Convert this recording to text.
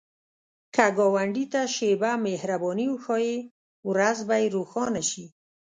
که ګاونډي ته شیبه مهرباني وښایې، ورځ به یې روښانه شي